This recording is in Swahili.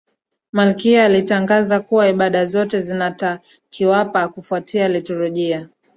malkia alitangaza kuwa ibada zote zinatakiwapa kufuata liturujia